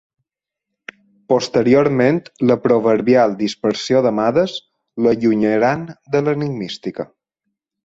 Posteriorment la proverbial dispersió d'Amades l'allunyaran de l'enigmística.